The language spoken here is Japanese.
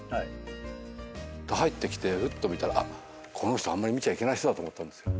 入ってきてふっと見たらこの人あんまり見ちゃいけない人だと思ったんですよ。